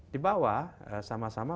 di bawah sama sama